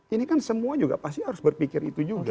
ini kan semua juga pasti harus berpikir itu juga